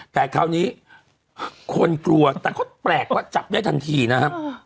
แต่คราวนี้คนกลัวแต่ก็แปลกว่าจับได้ทันทีนะครับ